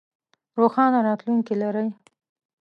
روښانه راتلوونکې لرئ